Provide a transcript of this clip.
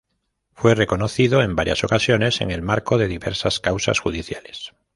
Fue reconocido en varias ocasiones en el marco de diversas causas judiciales.